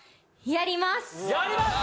やります！